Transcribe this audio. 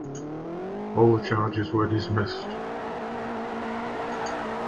All the charges were dismissed.